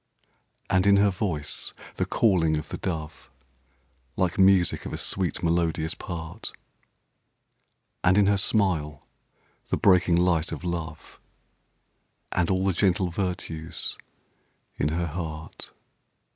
And in her voice, the calling of the dove; Like music of a sweet, melodious part. And in her smile, the breaking light of love; And all the gentle virtues in her heart.